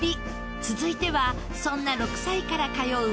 続いてはそんな６歳から通う母校へ。